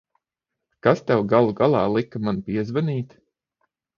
Kas tev galu galā lika man piezvanīt?